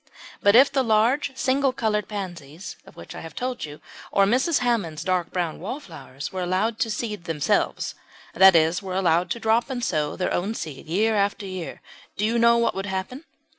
But if the large single coloured pansies of which I have told you, or Mrs. Hammond's dark brown wallflowers, were allowed to seed themselves that is, were allowed to drop and sow their own seed year after year do you know what would happen?